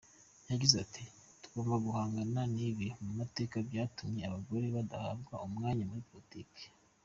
Yagize ati “Tugomba guhangana n’ibiri mu mateka byatumye abagore badahabwa umwanya muri politiki.